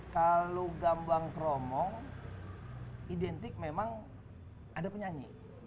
kalau gambang kromong identik memang ada penyanyi